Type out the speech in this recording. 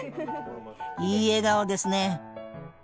いい笑顔ですね！